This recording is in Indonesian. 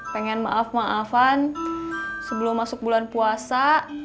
pengen maaf maafan sebelum masuk bulan puasa